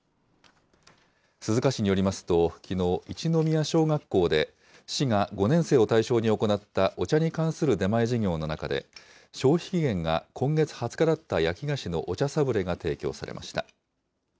鈴鹿市によりますと、きのう、一ノ宮小学校で、市が５年生を対象に行ったお茶に関する出前授業の中で、消費期限が今月２０日だった焼き菓子のお茶サブレが提供されました。